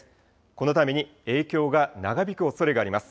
このために影響が長引くおそれがあります。